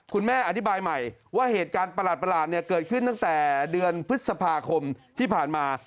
คุณแม่อธิบายใหม่ว่าเหตุการณ์ประหลาดเนี่ยเกิดขึ้นตั้งแต่เดือนพฤษภาคมที่ผ่านมา